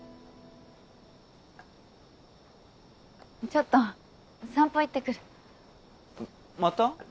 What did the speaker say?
ちょっと散歩行ってくるまた？